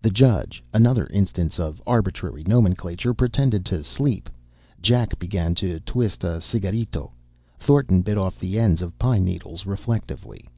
"The Judge" another instance of arbitrary nomenclature pretended to sleep. Jack began to twist a cigarrito. Thornton bit off the ends of pine needles reflectively.